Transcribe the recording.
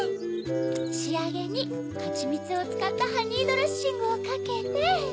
しあげにハチミツをつかったハニードレッシングをかけて。